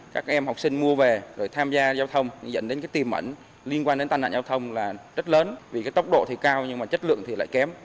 các em học sinh mua về rồi tham gia giao thông dẫn đến tìm ẩn liên quan đến tăng nạn giao thông là rất lớn vì tốc độ thì cao nhưng chất lượng thì lại kém